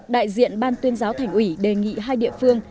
đại diện ban tuyên giáo thành ủy đề nghị hai địa phương